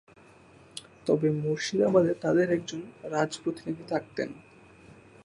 তবে মুর্শিদাবাদে তাদের একজন রাজপ্রতিনিধি থাকতেন।